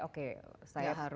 oke saya perlu